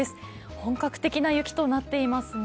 本格的な雪となっていますね。